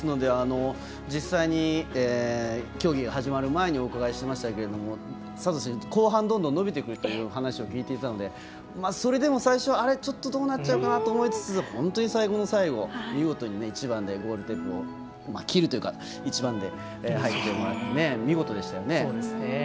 実際に競技が始まる前におうかがいしましたけど佐藤選手、後半どんどん伸びてくるとお話を聞いていたのでそれでも前半、ちょっとどうなっちゃうのかなと思いつつ、本当に最後の最後見事に１番でゴールテープを切るというか１番で入ってきてもらって見事でしたよね。